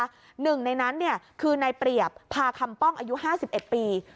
หนึ่งในนั้นคือนายเปรียบพาคำป้องอายุ๕๑ปี